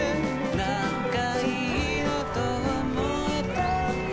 なんかいいなと思えたんだ